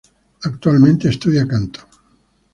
Actualmente estudia canto.